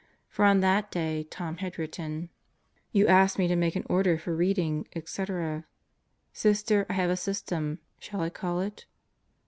For on that day Tom had written: ... You ask me to make an order for reading, etc. .. Sister I have a system, shall I call it?